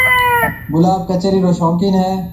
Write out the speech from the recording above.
گلاب ڪچيرِي رو شوقين ھيََََ